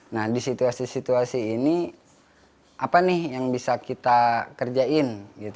nah di situasi situasi ini apa nih yang bisa kita kerjain